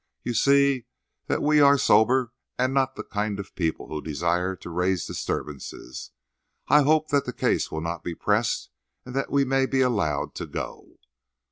You see that we are sober and are not the kind of people who desire to raise disturbances. I hope that the case will not be pressed and that we may be allowed to go."